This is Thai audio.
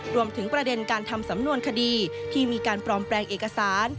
รวมถึงประเด็นการทำสำนวนคดีที่มีการปลอมแปลงเอกสาร